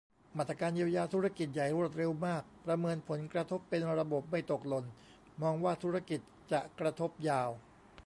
มาตรการเยียวยาธุรกิจใหญ่รวดเร็วมาก ประเมินผลกระทบเป็นระบบ ไม่ตกหล่น มองว่าธุรกิจจะกระทบยาว